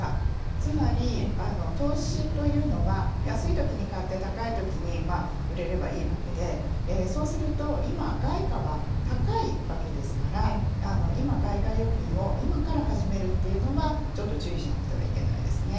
つまり投資というのは安いときに買って高いときに売れればいいわけでそうすると、今、外貨は高いわけですから今、外貨預金を今から始めるというのはちょっと注意しなくてはいけないですね。